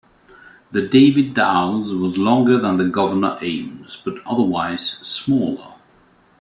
The "David Dows" was longer than the "Governor Ames" but otherwise smaller.